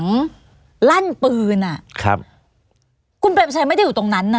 จะเป็นใครก็ช่างหวังนะครับ